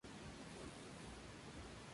Se encuentra en Argelia; Egipto.